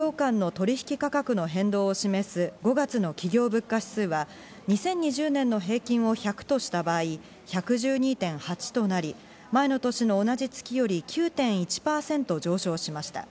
国内の企業間の取引価格の変動を示す５月の企業物価指数は２０２０年の平均を１００とした場合、１１２．８となり、前の年の同じ月より９．１％上昇しました。